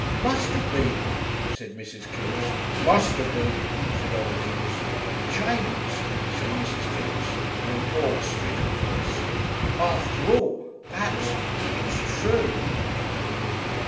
"Must 'ave been," said Mrs. Kipps. "Must 'ave been," said Old Kipps. "James," said Mrs. Kipps, in an awestricken voice, "after all perhaps it's true!"